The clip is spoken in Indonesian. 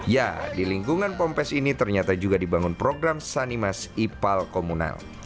ya di lingkungan pompas ini ternyata juga dibangun program sanimas ipal komunal